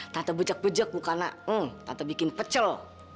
tante bejek bejek bukanlah tante bikin pecel